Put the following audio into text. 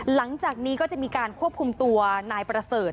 หลังจากนี้ก็จะมีการควบคุมตัวนายประเสริฐ